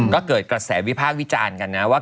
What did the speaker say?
ก็เกิดกระแสวิพากษ์วิจารณ์กันนะว่า